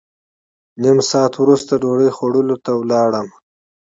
نیم ساعت وروسته ډوډۍ خوړلو ته لاړم.